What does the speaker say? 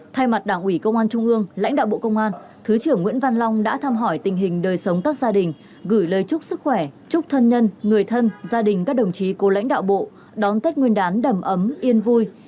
thay mặt đảng ủy công an trung ương lãnh đạo bộ công an thứ trưởng nguyễn văn long đã thăm hỏi tình hình đời sống các gia đình gửi lời chúc sức khỏe chúc thân nhân người thân gia đình các đồng chí cố lãnh đạo bộ đón tết nguyên đán đầm ấm yên vui